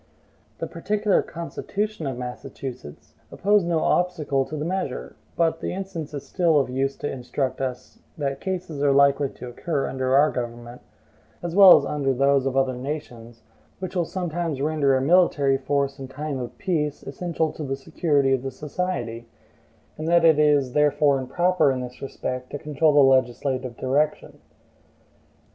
The particular constitution of Massachusetts opposed no obstacle to the measure; but the instance is still of use to instruct us that cases are likely to occur under our government, as well as under those of other nations, which will sometimes render a military force in time of peace essential to the security of the society, and that it is therefore improper in this respect to control the legislative discretion.